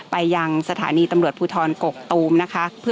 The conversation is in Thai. ไปยังสถานีตำรวจภูทรกกตูมนะคะ